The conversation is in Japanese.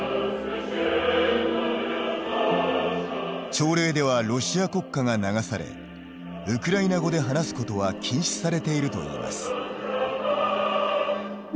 朝礼ではロシア国歌が流されウクライナ語で話すことは禁止されているといいます。